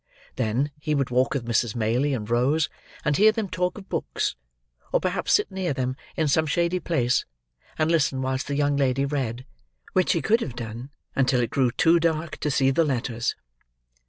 Then, he would walk with Mrs. Maylie and Rose, and hear them talk of books; or perhaps sit near them, in some shady place, and listen whilst the young lady read: which he could have done, until it grew too dark to see the letters.